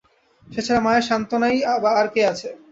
সে ছাড়া মায়ের সান্ত্বনাই বা আর কে আছে!